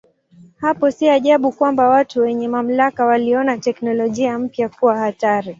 Hapo si ajabu kwamba watu wenye mamlaka waliona teknolojia mpya kuwa hatari.